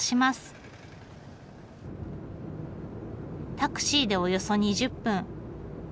タクシーでおよそ２０分。